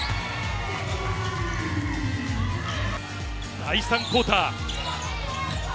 第３クオーター。